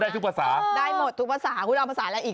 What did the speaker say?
ทุกภาษาได้หมดทุกภาษาคุณเอาภาษาอะไรอีก